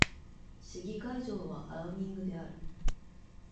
市議会場はアウニングである。